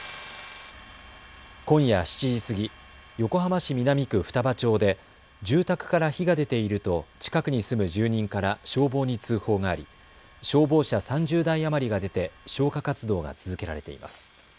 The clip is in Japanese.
今夜７時過ぎ、横浜市南区二葉町で住宅から火が出ていると近くに住む住人から消防に通報があり消防車３０台余りが出て消火活動が続けられています。